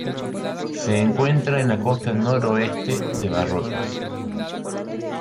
Se encuentra en la costa noroeste de Marruecos.